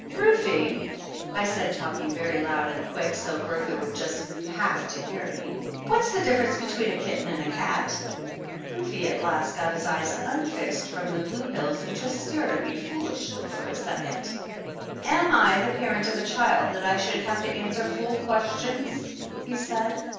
"Rufe," I said, talking very loud and quick, so Bertha would just have to hear me, "what's the difference between a kitten and a cat ?" Rufe at last got his eyes unfixed from the blue hills and just stared at me foolishly for a second. "Am I the parent of a child that I should have to answer fool questions ?" he said.